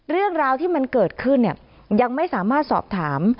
เรื่องราวที่มันเกิดขึ้นเนี่ยยังไม่สามารถสอบถาม